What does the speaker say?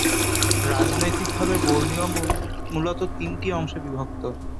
রাজনৈতিকভাবে বোর্নিও মূলত তিনটি অংশে বিভক্ত।